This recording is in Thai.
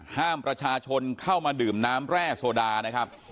ห้ามประชาชนเข้ามาดื่มน้ำแร่โซดานะครับ